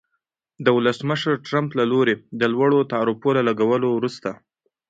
د ولسمشر ټرمپ له لوري د لوړو تعرفو له لګولو وروسته